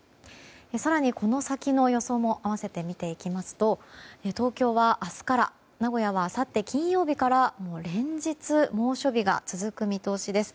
更に、この先の予想も併せて見ていきますと東京は明日から名古屋はあさって金曜日から連日、猛暑日が続く見通しです。